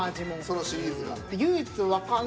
そのシリーズが。